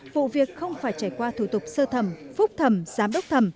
vụ việc không phải trải qua thủ tục sơ thẩm phúc thẩm giám đốc thẩm